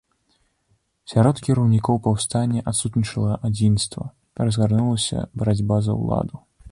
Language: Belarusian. Сярод кіраўнікоў паўстання адсутнічала адзінства, разгарнулася барацьба за ўладу.